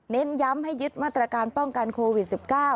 ย้ำให้ยึดมาตรการป้องกันโควิด๑๙